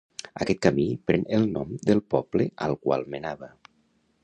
Aquest camí pren el nom del poble al qual menava.